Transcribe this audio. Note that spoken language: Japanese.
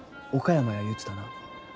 岡山や言うてたな？